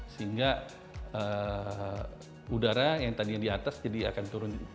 sehingga udara yang tadinya di atas jadi akan turun